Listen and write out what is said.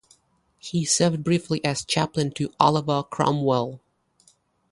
He served briefly as chaplain to Oliver Cromwell.